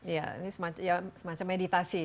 ini semacam meditasi ya